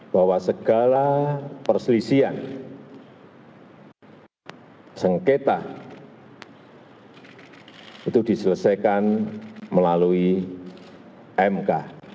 bahwa segala perselisihan sengketa itu diselesaikan melalui mk